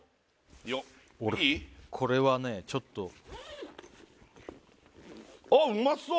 俺これはねちょっとああうまそう！